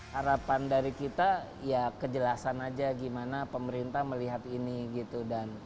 harapan dari kita ya kejelasan aja gimana pemerintah melihat ini gitu